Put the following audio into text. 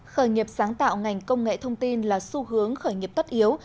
khởi nghiệp sáng tạo ngành công nghệ thông tin là xu hướng khởi nghiệp tất yếu